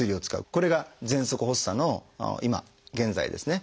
これがぜんそく発作の今現在ですね